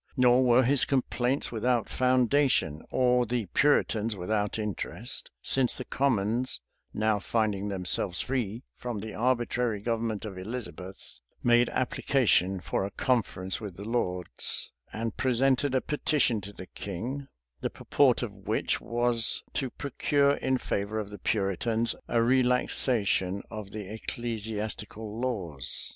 Nor were his complaints without foundation, or the Puritans without interest; since the commons, now finding themselves free from the arbitrary government of Elizabeth, made application for a conference with the lords, and presented a petition to the king; the purport of both which was, to procure in favor of the Puritans, a relaxation of the ecclesiastical laws.